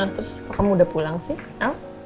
terus kamu udah pulang sih